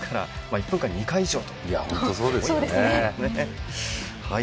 １分間に２回以上と。